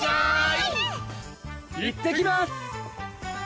いってきます！